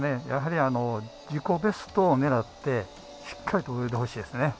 自己ベストを狙ってしっかりと泳いでほしいですね。